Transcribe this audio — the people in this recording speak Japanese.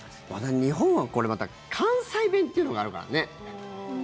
日本はこれ、また関西弁というのがあるからね。